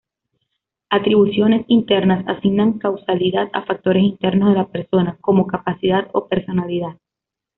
Atribuciones "internas" asignan causalidad a factores internos de la persona, como capacidad o personalidad.